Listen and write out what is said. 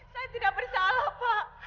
saya tidak bersalah pak